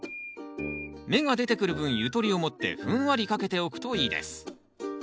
芽が出てくる分ゆとりを持ってふんわりかけておくといいです。